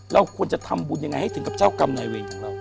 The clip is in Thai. เราควรจะทำบุญยังไงให้ถึงกับเจ้ากรรมนายเวรของเรา